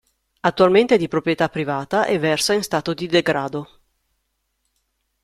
Attualmente è di proprietà privata e versa in stato di degrado.